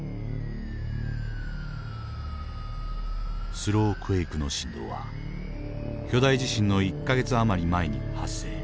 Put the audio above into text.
スロークエイクの震動は巨大地震の１か月余り前に発生。